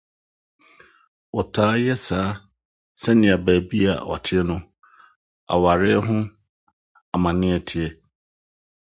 Wɔtaa yɛ saa sɛnea baabi a wɔte no aware ho amanne te.